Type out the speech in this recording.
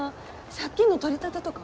借金の取り立てとか？